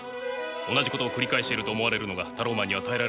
同じことを繰り返していると思われるのがタローマンには耐えられないんです。